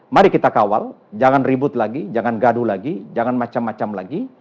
mari kita kawal jangan ribut lagi jangan gaduh lagi jangan macam macam lagi